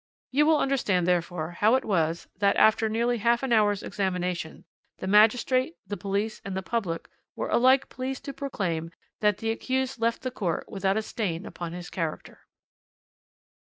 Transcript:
"You will understand therefore how it was that, after nearly half an hour's examination, the magistrate, the police, and the public were alike pleased to proclaim that the accused left the court without a stain upon his character."